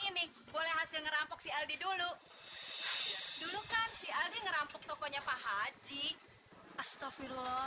ini boleh hasil ngerampok si aldi dulu dulu kan si aldi ngerampok tokonya pak haji astofirullah